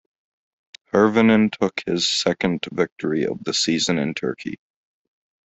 Hirvonen took his second victory of the season in Turkey.